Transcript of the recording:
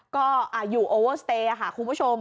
ก็อายุโอเวิลสเตย์ค่ะคุณผู้ชม